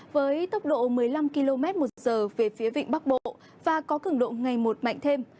với tốc độ một mươi năm km một giờ về phía vịnh bắc bộ và có cứng độ ngày một mạnh thêm